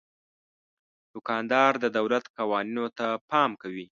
دوکاندار د دولت قوانینو ته پام کوي.